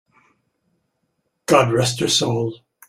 God rest her soul!